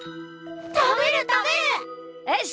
食べる食べる！よし！